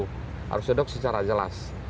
harus duduk secara jelas